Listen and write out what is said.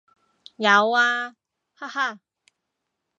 有啊，哈哈